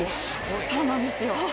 そうなんですよ。